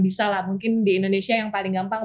bisa lah mungkin di indonesia yang paling gampang